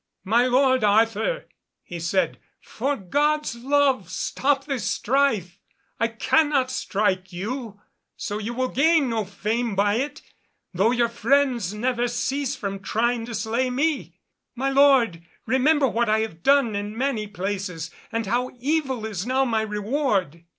"My lord Arthur," he said, "for God's love, stop this strife. I cannot strike you, so you will gain no fame by it, though your friends never cease from trying to slay me. My lord, remember what I have done in many places, and how evil is now my reward."